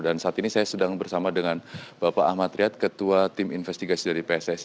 dan saat ini saya sedang bersama dengan bapak ahmad riyad ketua tim investigasi dari pssi